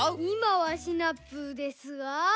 いまはシナプーですが。